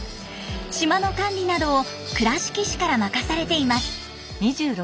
島の管理などを倉敷市から任されています。